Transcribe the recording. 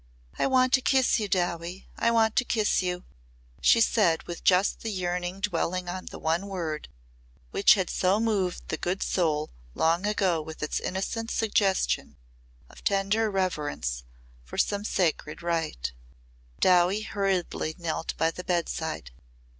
"I want to kiss you, Dowie I want to kiss you," she said with just the yearning dwelling on the one word, which had so moved the good soul long ago with its innocent suggestion of tender reverence for some sacred rite. Dowie hurriedly knelt by the bedside.